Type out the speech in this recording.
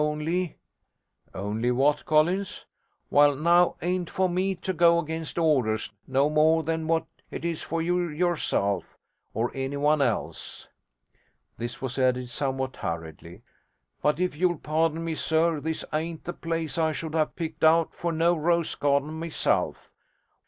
Only ' 'Only what, Collins?' 'Well now, it ain't for me to go against orders no more than what it is for you yourself or anyone else' (this was added somewhat hurriedly), 'but if you'll pardon me, sir, this ain't the place I should have picked out for no rose garden myself.